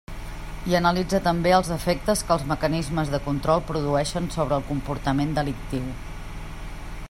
I analitza també els efectes que els mecanismes de control produïxen sobre el comportament delictiu.